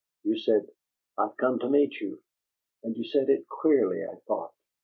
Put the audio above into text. You said, 'I've come to meet you,' but you said it queerly, I thought.